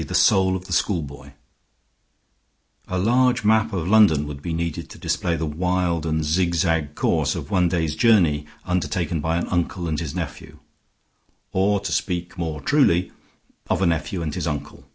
THE SOUL OF THE SCHOOLBOY A large map of London would be needed to display the wild and zigzag course of one day's journey undertaken by an uncle and his nephew; or, to speak more truly, of a nephew and his uncle.